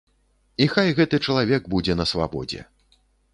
І хай гэты чалавек будзе на свабодзе.